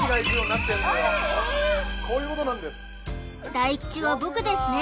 大吉は僕ですね